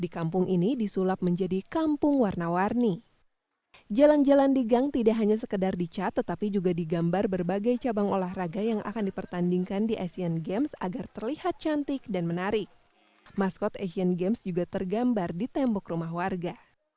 kampung ini juga tergambar di tembok rumah warga